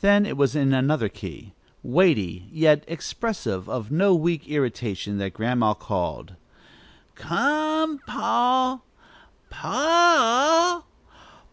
Then it was in another key, weighty, yet expressive of no weak irritation, that Grandma called "Come, pa! pa a!